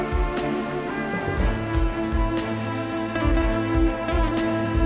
ทุกคนพร้อมแล้วขอเสียงปลุ่มมือต้อนรับ๑๒สาวงามในชุดราตรีได้เลยค่ะ